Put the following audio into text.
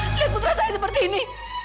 lihat putra saya seperti ini